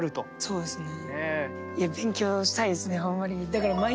そうですね。